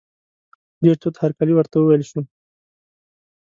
ډېر تود هرکلی ورته وویل شو.